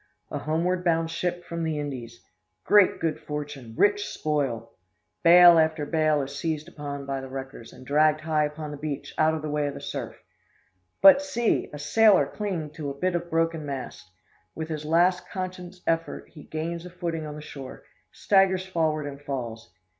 A homeward bound ship from the Indies! Great good fortune rich spoil! Bale after bale is seized upon by the wreckers, and dragged high upon the beach out of the way of the surf. But, see! a sailor clinging to a bit of broken mast! With his last conscious effort he gains a footing on the shore, staggers forward, and falls.